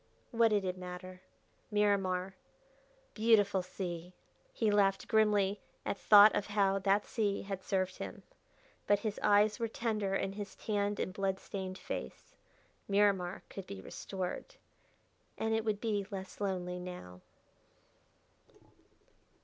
What did it matter? Miramar "Beautiful Sea!" He laughed grimly at thought of how that sea had served him, but his eyes were tender in his tanned and blood stained face. Miramar could be restored. And it would be less lonely now....